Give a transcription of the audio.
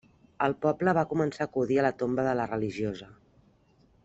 El poble va començar a acudir a la tomba de la religiosa.